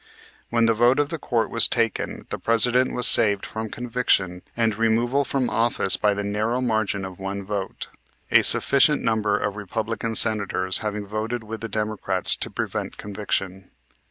When the vote of the court was taken the President was saved from conviction and from removal from office by the narrow margin of one vote, a sufficient number of Republican Senators having voted with the Democrats to prevent conviction.